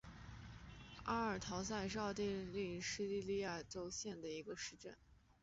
阿尔陶塞是奥地利施蒂利亚州利岑县的一个市镇。